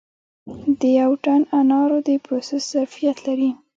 د یو ټن انارو د پروسس ظرفیت لري